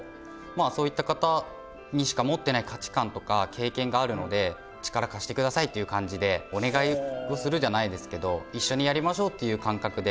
あそういった方にしか持ってない価値観とか経験があるので「力貸してください」という感じでお願いをするじゃないですけどいっしょにやりましょうっていう感覚で。